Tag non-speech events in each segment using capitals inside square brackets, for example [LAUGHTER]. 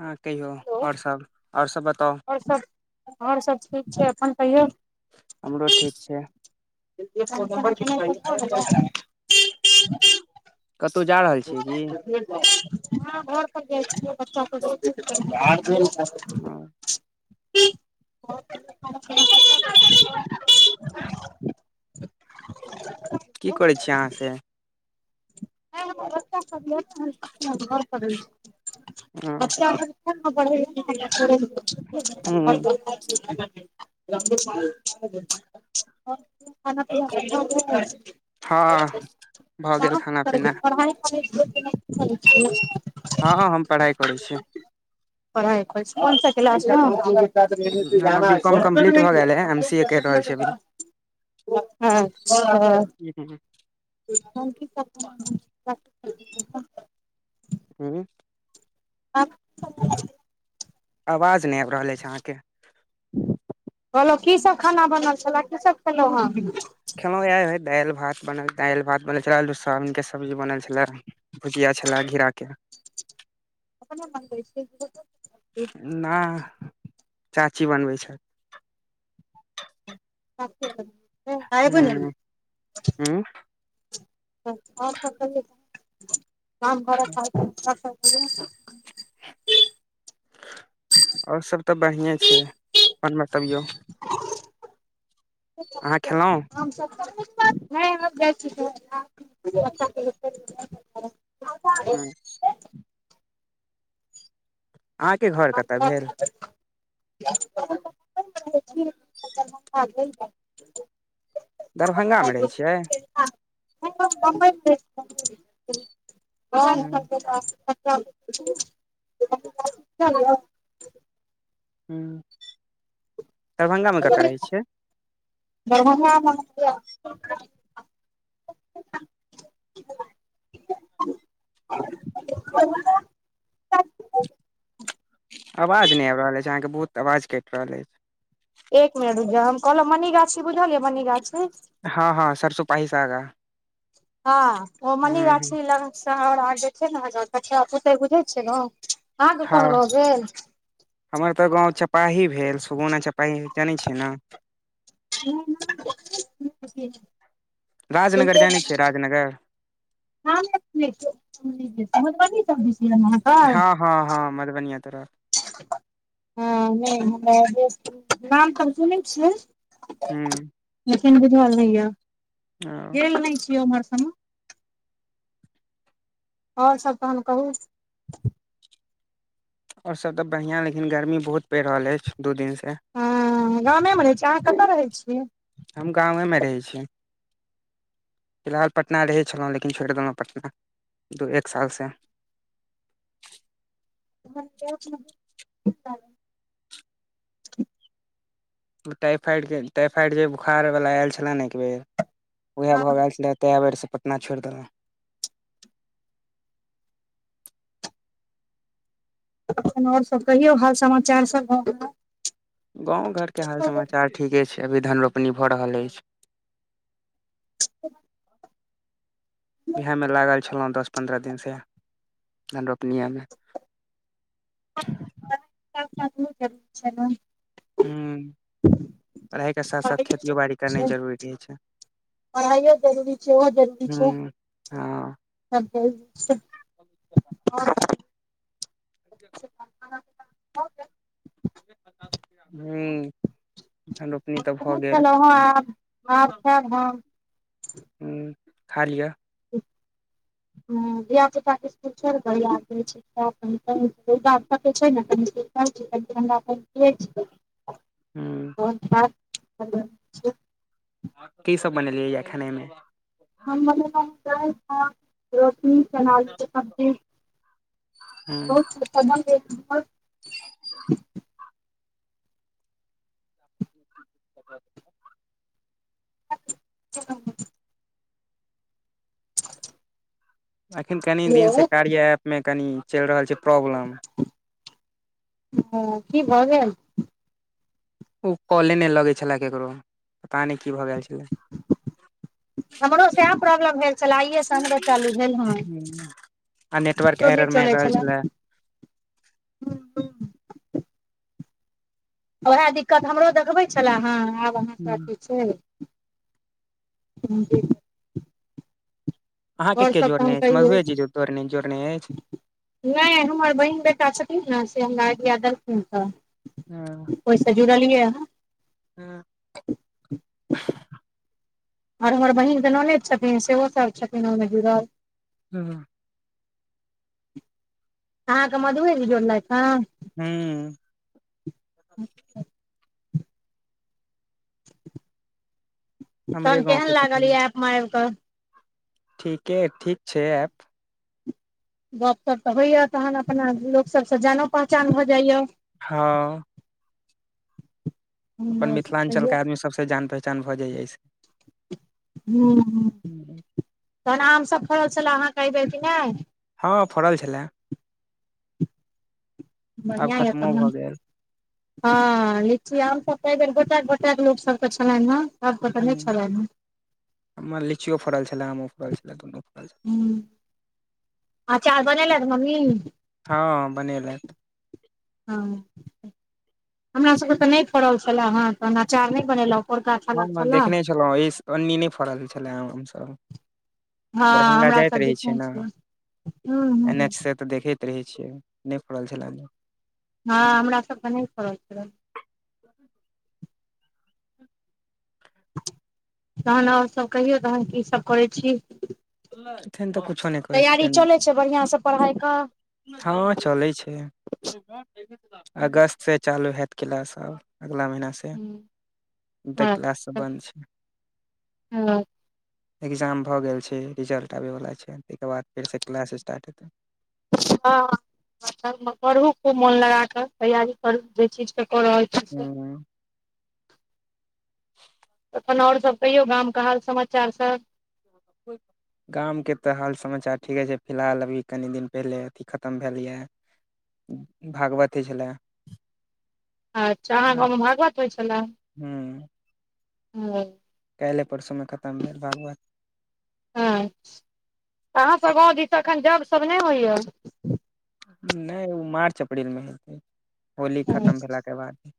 हँ कहियो हेलो आओर सब आओर सब बताउ आओर सब आओर सब ठीक छै अपन कहियौ हमरो ठीक छै [INAUDIBLE] कतहु जा रहल छियै की हँ घर पर जाइ छियै बच्चा [UNINTELLIGIBLE] [UNINTELLIGIBLE] की करै छियै अहाँ से ह [INAUDIBLE] हँ [UNINTELLIGIBLE] [UNINTELLIGIBLE] हाँ भऽ गेल खाना पीना पढ़ाइ करै छियै हँ हम पढ़ाय करै छी [UNINTELLIGIBLE] पढ़ाई करै हमर बी कॉम छी कम्प्लीट भऽ गेल ह एम सी कोन ए करि रहल छी अभी किलास मे [INAUDIBLE] अच्छा - हुँ [INAUDIBLE] आवाज नहि आबि रहल अछि अहाँ केँ कहलहु की सभ खाना बनल छलए की सभ खेलहुँ हन खेलहुँ इए दालि भात बनल दालि भात बनल छलै आलू सोयाबीन के सब्जी बनल छलै भुजिया छलै घिरा के [UNINTELLIGIBLE] नाह चाची बनबै छथि [UNINTELLIGIBLE] एबै ने हुँ हुँ आओर सब कहियो [INAUDIBLE] [UNINTELLIGIBLE] आओर सभ तऽ बढ़िए छै अपन बतबियौ अहाँ खेलहुँ [UNINTELLIGIBLE] नहि आब जाइ छी [INAUDIBLE] हुँ अहाँके घर कतय भेल [UNINTELLIGIBLE] [UNINTELLIGIBLE] दरभंगामे रहै छियै [UNINTELLIGIBLE] ह [UNINTELLIGIBLE] हू दरभंगा मे कतऽ रहै छियै दरभंगा मे [UNINTELLIGIBLE] आवाज नहि आबि रहल अछि अहाँ के बहुत आवाज कटि रहल अछि एक मिनट रूकि जाउ हम कहलहुँ मनिगाछी बुझलियै मनिगाछी हँ हँ सरसोपाहि सँ आगा हँ ओ ह मनिगाछी लग सँ आर आगे जे छै ने कआ पुते बुझै छै ने अहाँ केँ कोन हँ गाव भेल हमर तऽ गाँव चपाही भेल सुगौना चपाही जानै छियै ने [INAUDIBLE] राजनगर जाने छियै राजनगर हम नै बुझै छीयै मधुबनी सब दिस अहाँके हँ हँ हँ मधुबनीये तरफ हँ नहि हमरा दे नाम तऽ सुनै छियै हूँ लेकिन बुझल नहि य गेल नहि छियै उमहर सभमे आओर सब तहन कहू आओर सभ तऽ बढ़िआँ लेकिन गर्मी बहुत पड़ि रहल अछि दू दिनसँ हँ गामेमे रहैत छियै अहाँ कतऽ रहै छियै हम गामेमे रहै छी फिलहाल पटना रहै छलहुँ लेकिन छोड़ि देलहुँ पटना दू एक साल से हमर कोच टाइफाइड के टाइफाइड जे बोखार वला आयल छलै ने एक बेेर उएह भऽ गेल छलै उहा बेरसँ पटना छोड़ि देलउ तखन आओर सब कहियौ हाल समाचार सब गाव के हाल गाँव घरके हाल समाचार ठीके छै अभी धन रोपनी भऽ रहल अछि [UNINTELLIGIBLE] बिहा मे लागल छ छलौ हां दस पन्द्रह दिन से धन रोपनी मे सब काज जरूर छै न ह्म पढ़ाइके साथ साथ खेतिओ बाड़ी करनाय जरूरी रहैय छै पढ़ाइयो जरूरी छै ओहो जरूरी छै हूँ हँ सब के सब घर भ गेल हू हम त नै खेलौ हं आब खेएब हम ह खा लिय ह धिय पुता के स्कुल छोड़ि के हैया अब जाइछी छै कररा हमरा पर कनीक भेज दिय हूँ दस अगस्त छियै की सब बनेलियै य खेनाइमें हम बनेलौ हं दालि भात रोट रोटी चना आलू के सब्जी हूँ बहुत [UNINTELLIGIBLE] ज [UNINTELLIGIBLE] अखन कनि दिन से कार्या ऐप मे कनि चलि रहल छै प्रॉब्लम ह की भ गेल ओ कॉले नहि लगै छलए केकरो पता नहि की भऽ गेल छलै हमरो सएह प्रॉब्लम भेल छलै आइये स हमरो चालू भेल हन हूँ। आ नेटवर्क एरर मारि रहल छले छलै उएह दिक्कत हमरो देखबै छलए हेँ आब अहाँके अथी छै [UNINTELLIGIBLE] अहाँ के आओर के सब तऽ हम जोड़ने अछि कहियौ मधुएजी जोड़ने जोड़ने अछि नहि हमर बहिन बेटा छथिन ने से हमरा आइडिया देलखिन तऽ हँ ओहिस जुड़लीयै ह हँ आओर हमर बहिनके नन्दि छथिन सेहो सब छथिन ओहिमे जुड़ल ह [UNINTELLIGIBLE] अहाँके मधुए जी जोड़लथि ह हूँ हमरे तहन गाँव केहन के लागल ई छथिन ऐपमे आबि कऽ ठीके ठीक छै ऐप गपशप तऽ होइया तहन अपना लोक सबसँ जानो पहचान भऽ जाइय हँ अपन कहियौ मिथिलाञ्चलके आदमी सबस जान पहचान भऽ जाय अछि हूँ हूँ तहन आमसभ फड़ल छलै अहाँके ऐयबेर कि नहि हँ फड़ल छलए आब बढ़िआ यऽ खत्मो तहन भऽ गेल हँ लीची आमसभ तऽ एहि बेर गोटए गोटाक लोकके छलनि हेँ सभके तऽ नहि छलनि हेँ हमर लीचियो फड़ल छलै आमो फड़ल छलै दुनू फड़ल छल आचार बनेलथि मम्मी हँ बनेलथि हँ हमरा सब के ते नहि फड़ल छले हे तऽ अचार नहि बनेल उऽ हम ने देखने छलहुँ अन्नी नहि फड़ल छलै आमसभ हँ दरभंगा हमरा जाइत सब रहै दिस छै नहि ने छले हूँ एन हूँ एच सॅं तऽ देखैत रहै छियै नहि फड़ल छलाह हँ हमरा सबके नहि फड़ल छलै तहन ओरसभ कहियौ तहन कीसभ करै छी एखन तऽ किछो नहि करे छथिन अच्छा बढ़िआं से पढ़ाइ कऽ हँ चलै छै अगस्तसँ चालू हैत किलास आ अगिला महीनासँ तऽ क्लास सब बन्द छै हुँ एकग्जाम भऽ गेल छै रिजल्ट आबैवला छै ताहिके बाद फेरसँ क्लास स्टार्ट हेतै हँ करू खूब मोन लगााकऽ तैयारी करू जे चीज के कऽ रहल छी से हूॅं ह [INAUDIBLE] अपन आओर सब कहियो गाम कऽ हाल समाचार सब ब [INAUDIBLE] गामके तऽ हाल समाचार ठीके छै फिलहाल अभी कनि दिन पहिले अथि खतम भेलै ए। भागवती छलै अच्छा अहाँ गाँवमे भागवत होइ छलए ओ काल्हिए परसूमे खतम भेल भागवत हँ अहाँ घर दिस अखन जग सब नहि होइएा नहि ओ मार्च अप्रलमे हेतै होली खतम भेलाके बाद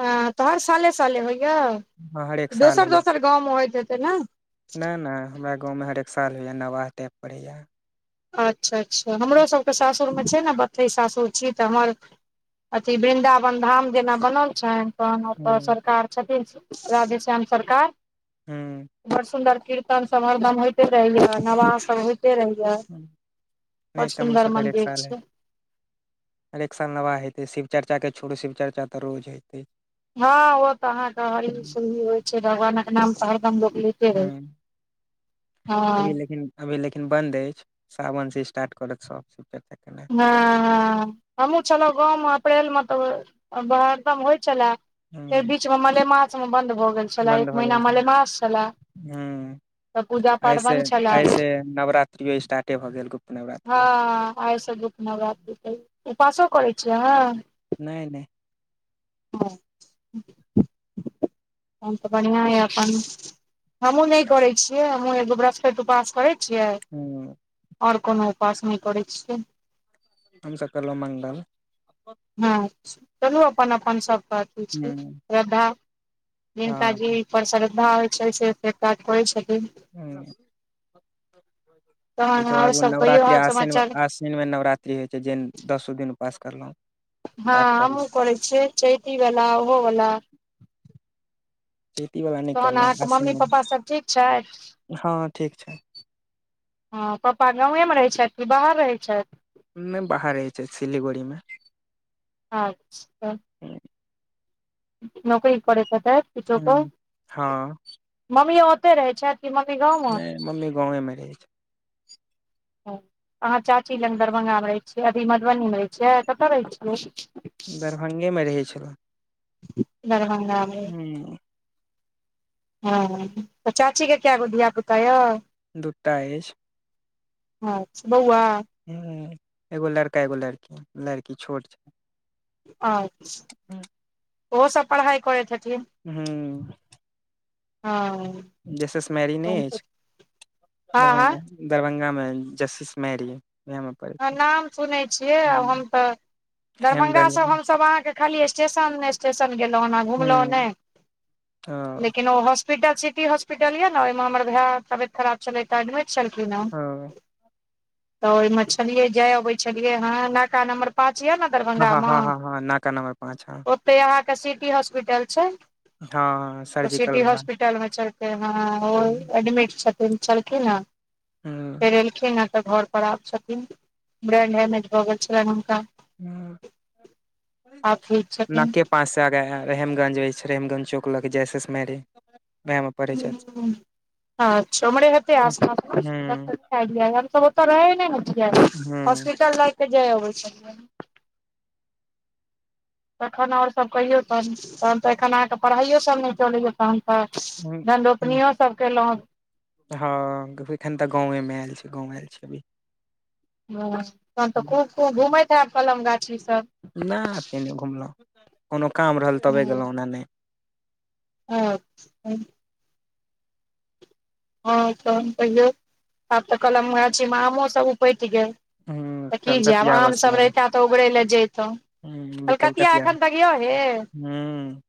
हँ तऽ हर साले साले होइएा हँ हरेक साल दोसर होइया दोसर गाँवमे होइत हेतै ने नहि नहि हमरा गाँवमे हरेक साल होइएा नवाह टाइप होइएा अच्छा अच्छा हमरो सबके सास सासुर मे छै ने बथै सासुर छी तऽ हमर अथी वृन्दावन धाम जेना बनल छेन् तहन ओतऽ हुं सरकार छथिन राधे श्याम सरकार हुं बड़ सुन्दर कृतन कृतन सब हरदम होयते रहहिये नमाह सब होयते रहिये हँ [INAUDIBLE] बड़ सुन्दर मंदिर छै हरेक साल नवाह हेतै शिव चर्चाके छोड़ू शिव चर्चा तऽ रोज होतै हँ ओ तऽ अहाँके हरी सुरही होइ छै भगवान के नाम त हरदम लोक लिते रहै हुं अभी हँ लेकिन अभी लेकिन बंद अछि सावन से स्टार्ट कर सब श चर्चा केना हँ ह हमहूँ छलहुँ गाँवमे अप्रैल मे तऽ हरदम होइ छलए फेर हुं बीचमे मलेमासमे बन्द भऽ गेल छलय बन्द एक भऽ महीना गेल छै मलेमास छलय हुं तऽ पूजा पाठ बंद छलॉ स्टार्ट भऽ गेल नवरात्रि हँ आइ सब बूना बात उपासो करै छियै आहा नहि नहि हँ हम तऽ बढ़आं यऽ अपन हमहुँ नहि करै छियै हमहुँ एगो बरहस्पति उपास करैत छियै हुं आओर कोनो उपास नहि करैत छियै हमस करलहुँ मंगल हुं हँ चलू अपन अपन सबके अथी छी श्रद्धा जिनका हँ जे पर श्रद्धा होइ छै से फे कात करै छथिन ह तहन तके आओर बाद सब कहियो नवरात्रि हाल आसेन समाचार दिनमे नवरात्रि होइ छै जेन दसो दिन उपास करलहुँ हँ पाठ करलहुँ हमू करै छिय चैैती वला ओहोवला चैती बला नहि तहन करलहुँ अहाँके मम्मी आसिन पापा सब ठीक छथि हँ ठीक छै हँ पापा गाेमे रहैत छथि कि बाहर रहैत छथि नहि बाहर रह छै सिलीगुड़ी मे अच्छा ह नौकरी करैत किछो क हँ मम्मी ओते रहै छथि कि मम्मी गांव में नहि मम्मी गाँवे मे [INAUDIBLE] ह अहाँ चाची लग दरभंगा मे रहै छियै अभी मधुबनी मे रहै छियै कतऽ रहै छियै दरभंगा में रहै छलहुँ दरभंगा मे हू हँ तऽ चाची के कए गो धियापुता यऽ दूटा अछी अच्छा बौआ हुँ एगो लड़का एगो लड़की लड़की छोट छै अच्छा ओ सब पढ़ाइ करै छथिन हुँ हँ जसिस मैरी नहि हँ अछि दरभा हँ दरभंगा में जसिस मैरी ओहा में परहै नाम सुनै छियै आब हम तऽ दरभंगा हेमगंज सब मे हमसभब अहाँके खाली स्टेशन नहि स्टेशन गेलहुँ ओना घुमलहुँ ओने ह ओ लेकिन ओहो हॉस्पिटल सिटी हॉस्पिटल यऽ ने ओहिमे हमर भाय तबियत खराब छलै तऽ एडमिट छलखिन हँ ओ तऽ ओहिमे छलियै जाय अबै छलियै ह नाका नम्बर पाँच यए ने हँ दरभंगा ह हँ ह हँ नाका नबर पाँच आहा के सिटी हॉस्पिटल छै हँ ओ सर्जिकल सिटी बला हॉस्पिटल मे छलखिन ओ एडमिट छथिन चलखिन हन ह फेर एलखिन तऽ घर पर आब छथिन ब्रेंड एमेज भऽ गेल छलनि हुनका आब ठीक नाके के पांच रेमगंज छै रेमगंज चौक ल जेएसएस मेरी ओहा मे पढ़ै छथि अच्छा ऊमहमड़े त हूँ आसपासमे हम सब ओतय रहय नहि ने छीयै हूँ हॉस्पिटल लए के जाय आबै छलियै तखन आओर सभ कहियौ तहन तहन तऽ एखन अहाँ के पढ़ाइयो सब नहि चलैय तहन हँ धन रोपनियो सब केलहुँ हँ एखन तऽ गांवे मे आयल छी गाँंव आयल छी अभी हँ तहन तऽ खूब खूब घुमैत हयब कलम गाछी सब नहि एते नहि घुमलहुँ कोनो काम रहल तबे गेलहुँ ओना नहि अच्छा हँ तहन कहियौ आब तऽ कलम गाछी मे आमो सब उपटि गेल हूँ तऽ की जायब कलकतिया आम बस सभ लागल रहिता तऽ उगड़ै लए जैतहुँ हूँ कलकतिया एखन हूँ तक य हे हँ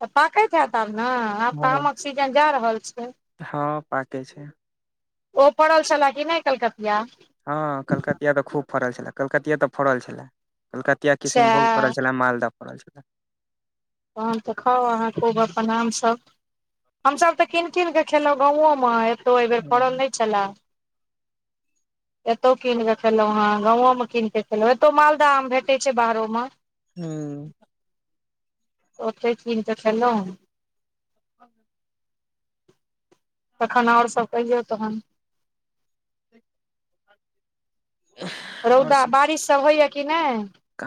तऽ पाकैत होैत आब न आब तऽ आमक सीजन जा रहल छै हँ पाकै छै ओ पड़ल छलए कि नहि कलकतिया हँ कलकतिया तऽ खूब फड़ल छलए कलकतिये तऽ फड़ल छलए कलकत कियै किशनभोग फड़ल सएह छलै मालदाह फड़ल छलै तहन तऽ खाउ अहाँ खूब अपन आाम सभ हम सभ तऽ कीनि कीन कऽ खेलहुँ गाओ म एतहुँ एहिबेर फड़ल नहि छलए एतौ कीन कऽ खेलहुँ हँ गाँवो मे कीन कऽ खेलहुँ एतौ मालदह आम भेटैत छै बाहरो मे हूँ ओतय कीन कऽ खेलहुँ तखन आओर सब कहियौ तहन रौदा आओर बारिश सब होइए की नहि